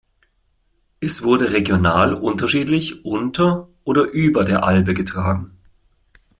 Es wurde regional unterschiedlich unter oder über der Albe getragen.